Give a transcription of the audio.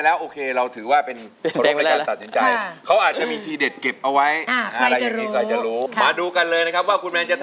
แต่ถ้าตัดสินใจแล้วโอเค